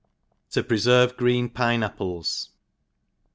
To preferve Gkeen Pine Apples.